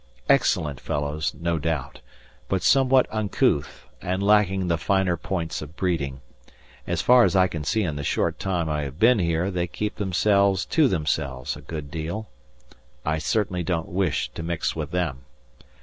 Excellent fellows, no doubt, but somewhat uncouth and lacking the finer points of breeding; as far as I can see in the short time I have been here they keep themselves to themselves a good deal. I certainly don't wish to mix with them.